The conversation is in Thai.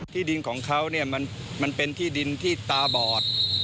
ที่ดินของเขาเนี่ยมันเป็นที่ดินที่ตาบอด